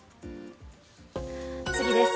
次です。